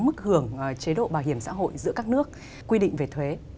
mức hưởng chế độ bảo hiểm xã hội giữa các nước quy định về thuế